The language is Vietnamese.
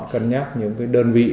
cân nhắc những cái đơn vị